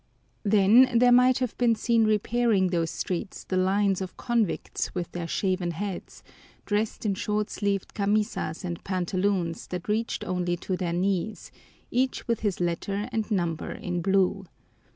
Then there might have been seen repairing those streets the lines of convicts with their shaven heads, dressed in short sleeved camisas and pantaloons that reached only to their knees, each with his letter and number in blue.